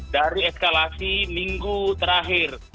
dari eskalasi minggu terakhir